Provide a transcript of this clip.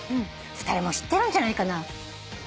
２人知ってるんじゃないかな。